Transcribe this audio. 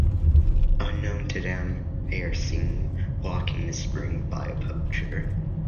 Unknown to them, they are seen blocking the spring by a poacher.